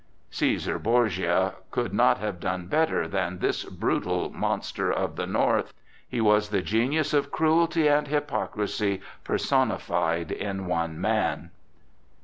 Cæsar Borgia could not have done better than this brutal monster of the North. He was the genius of cruelty and hypocrisy personified in one man.